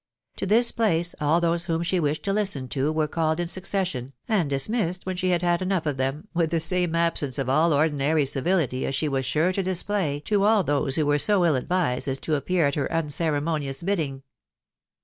To this place all those whom she wished to listen to were called in succession, and dismissed when she had had enough of them, with the same absence of all ordinary civility as she was sure to display to all those who were so ill advised as to appear„at her unceremonious bidding.